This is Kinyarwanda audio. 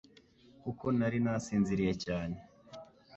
kuko nari nasinziriye cyane